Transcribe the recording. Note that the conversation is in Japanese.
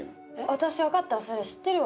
私分かったそれ知ってるわ。